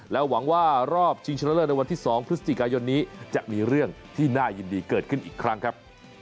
หวังว่ารอบชิงชนะเลิศในวันที่๒พฤศจิกายนนี้จะมีเรื่องที่น่ายินดีเกิดขึ้นอีกครั้งครับ